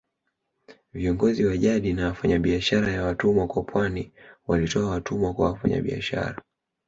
Viongozi wa jadi na wafanyabiashara ya watumwa wa pwani walitoa watumwa kwa wafanyabiashara